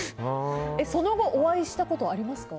その後お会いしたことありますか？